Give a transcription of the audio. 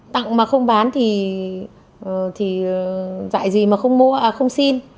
tặng mà không bán thì dạy gì mà không mua không xin